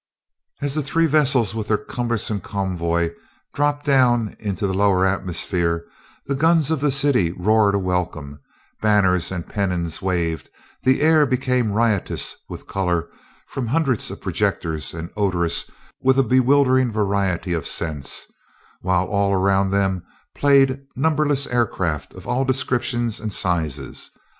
As the three vessels with their cumbersome convoy dropped down into the lower atmosphere, the guns of the city roared a welcome; banners and pennons waved; the air became riotous with color from hundreds of projectors and odorous with a bewildering variety of scents; while all around them played numberless aircraft of all descriptions and sizes.